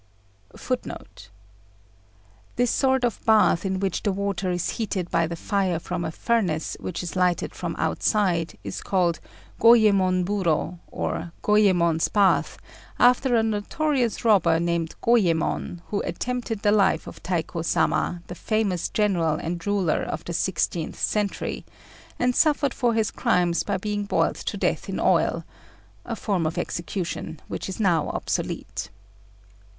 [Footnote 32: This sort of bath, in which the water is heated by the fire of a furnace which is lighted from outside, is called Goyémon buro, or Goyémon's bath, after a notorious robber named Goyémon, who attempted the life of Taiko Sama, the famous general and ruler of the sixteenth century, and suffered for his crimes by being boiled to death in oil a form of execution which is now obsolete.